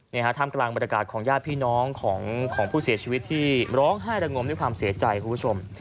ท่ามกลางบรรยากาศของญาติพี่น้องของผู้เสียชีวิตที่ร้องไห้ระงมด้วยความเสียใจคุณผู้ชม